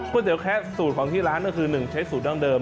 เตี๋ยแคะสูตรของที่ร้านก็คือ๑ใช้สูตรดั้งเดิม